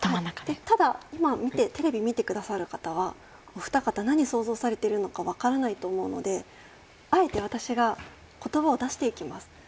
ただ今テレビを見てくださる方はお二方、何を想像されているか分からないと思うのであえて私が言葉を出していきます。